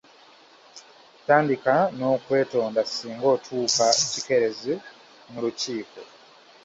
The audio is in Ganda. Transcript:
Tandika n'okwetonda singa otuuka kikeerezi my lukiiko.